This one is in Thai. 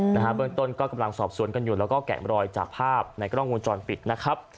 เบื้องต้นก็กำลังสอบสวนกันอยู่แล้วก็แกะมรอยจากภาพในกล้องวงจรปิดนะครับ